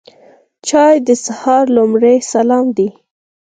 چای د سهار لومړی سلام دی.